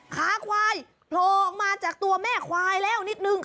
ขาควายโผล่ออกมาจากตัวแม่ควายแล้วนิดนึง